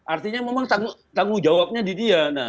artinya memang tanggung jawabnya di dia